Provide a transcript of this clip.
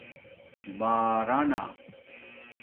بارانہ